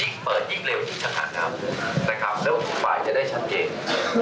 อีกเปิดอีกเร็วอีกชะนั้นนะครับนะครับแล้วก็ผู้ปลายจะได้ชัดเก็บ